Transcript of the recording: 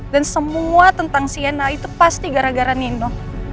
dan semua tentang sienna itu pasti gara gara nino